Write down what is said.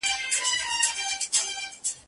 بختور به په دنیا کي د حیات اوبه چښینه